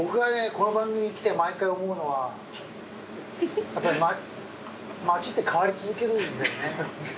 この番組に来て毎回思うのはやっぱり街って変わり続けるんだよね。